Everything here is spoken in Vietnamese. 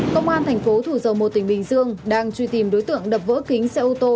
công an thành phố thủ dầu một tỉnh bình dương đang truy tìm đối tượng đập vỡ kính xe ô tô